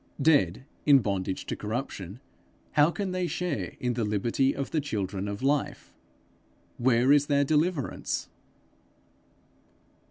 Dead, in bondage to corruption, how can they share in the liberty of the children of Life? Where is their deliverance?